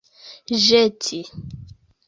ĵeti